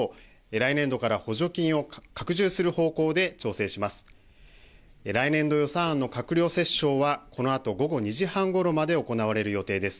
来年度予算案の閣僚折衝はこのあと午後２時半ごろまで行われる予定です。